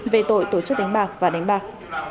về tội tổ chức đánh bạc và đánh bạc